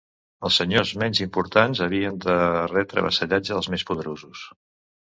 Els senyors menys importants havien de retre vassallatge als més poderosos.